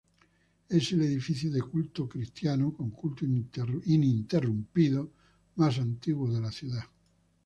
Es el edificio de culto cristiano, con culto ininterrumpido, más antiguo de la ciudad.